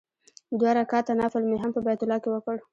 دوه رکعاته نفل مې هم په بیت الله کې وکړ.